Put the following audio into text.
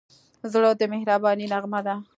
زړه د مهربانۍ نغمه ده.